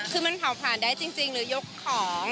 คือมันเผาผลาญได้จริงหรือยกของ